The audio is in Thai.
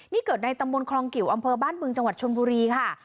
นี่เกิดในตำบลคลองกิวอำเภอบ้านบึงจังหวัดชนบุรีค่ะ